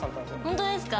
本当ですか？